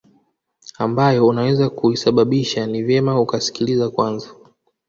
ambayo unaweza kuisababisha ni vyema ukasikiliza Kwanza